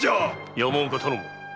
山岡頼母。